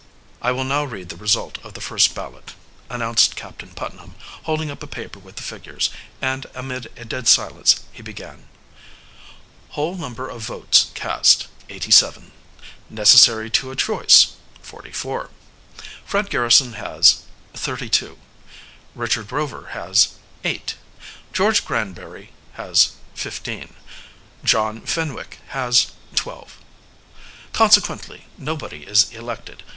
"I will now read the result of the first ballot," announced Captain Putnam, holding up a paper with the figures, and amid a dead silence he began: Whole number of votes cast 87 Necessary to a choice 44 Fred Garrison has 32 Richard Rover has 8 George Granbury has 15 John Fenwick has 12 "Consequently, nobody is elected.